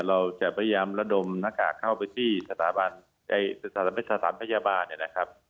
เราจะพยายามระดมหน้ากากเข้าไปที่สถาบันทรัพยาบาล